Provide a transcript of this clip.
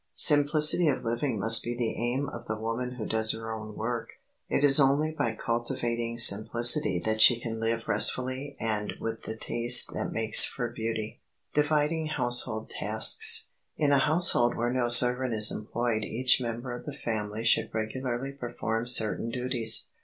Simplicity of living must be the aim of the woman who does her own work. It is only by cultivating simplicity that she can live restfully and with the taste that makes for beauty. [Sidenote: DIVIDING HOUSEHOLD TASKS] In a household where no servant is employed each member of the family should regularly perform certain duties.